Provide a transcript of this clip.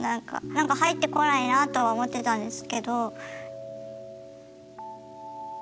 何か入って来ないなあとは思ってたんですけど。